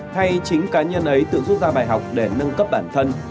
hay chính cá nhân ấy tự rút ra bài học để nâng cấp bản thân